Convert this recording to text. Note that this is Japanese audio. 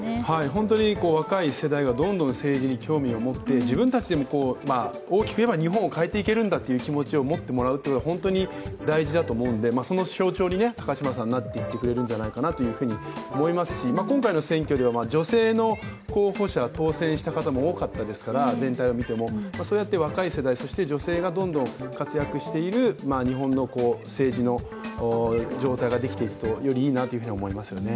本当に、若い世代がどんどん政治に興味を持って自分たちでも大きく言えば日本を変えていけるんだという気持ちを持ってもらえるのは本当に大事だと思うのでその象徴に高島さんはなっていってくれると思いますし今回の選挙では女性の候補者当選した方も多かったですから全体を見てもそうやって若い世代、そして女性がどんどん活躍している日本の政治の状態ができていくと、よりいいなと思いますよね。